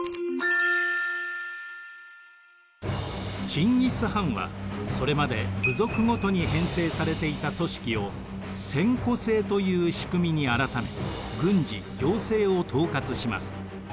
チンギス・ハンはそれまで部族ごとに編成されていた組織を千戸制という仕組みに改め軍事・行政を統括します。